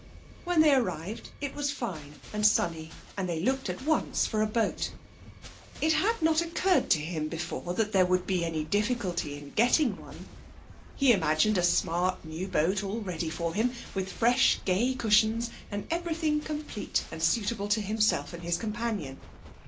When they arrived it was fine and sunny, and they looked at once for a boat. It had not occurred to him before that there would be any difficulty in getting one. He imagined a smart new boat all ready for him, with fresh, gay cushions, and everything complete and suitable to himself and his companion.